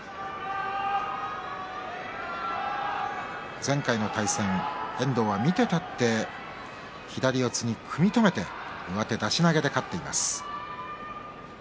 前回の対戦、遠藤は見て立って左四つに組み止めて寄り切りで勝っています。